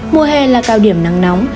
mùa hè là cao điểm nắng nóng